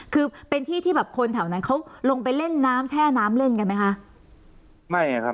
คือเป็นที่ที่แบบคนแถวนั้นเขาลงไปเล่นน้ำแช่น้ำเล่นกันไหมคะไม่อ่ะครับ